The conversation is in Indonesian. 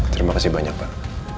terima kasih banyak pak